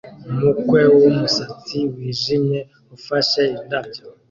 Umukwe wumusatsi wijimye ufashe indabyo